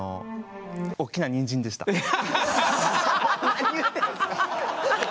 何言ってんすか。